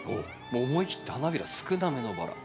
もう思い切って花びら少なめのバラ。